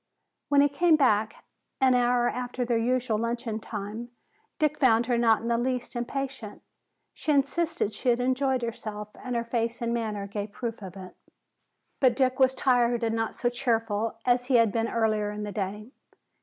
When he came back an hour after their usual luncheon time, Dick found her not in the least impatient. She insisted that she had enjoyed herself, and her face and manner gave proof of it. But Dick was tired and not so cheerful as he had been earlier in the day.